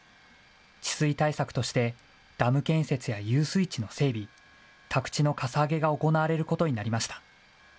治水対策としてダム建設や遊水池の整備、宅地のかさ上げが行われることになりました。